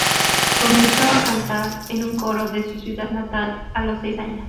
Comenzó a cantar en un coro de su ciudad natal a los seis años.